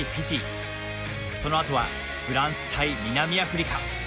そのあとはフランス対南アフリカ。